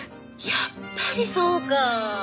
「やっぱりそうか」